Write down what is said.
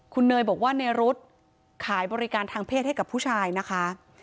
คุณเนยบอกว่าในรถขายบริการทางเพศให้กับผู้ชายนะคะ